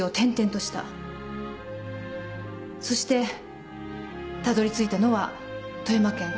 そしてたどりついたのは富山県川冨村です。